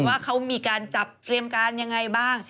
ว่าเขามีการจับเตรียมการยังไงบ้าง